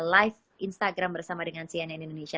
live instagram bersama dengan cnn indonesia